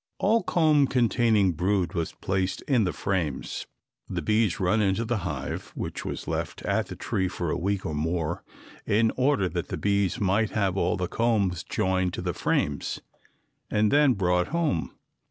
All comb containing brood was placed in the frames, the bees run into the hive, which was left at the tree for a week or more in order that the bees might have all the combs joined to the frames, and then brought home.